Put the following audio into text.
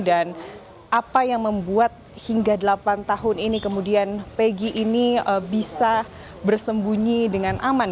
dan apa yang membuat hingga delapan tahun ini kemudian pegi ini bisa bersembunyi dengan aman